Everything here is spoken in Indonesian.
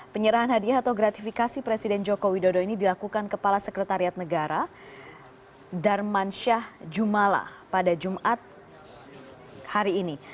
penyerahan hadiah atau gratifikasi presiden joko widodo ini dilakukan kepala sekretariat negara darman syah jumala pada jumat hari ini